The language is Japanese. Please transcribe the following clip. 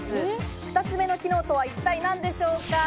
２つ目の機能とは一体何でしょうか。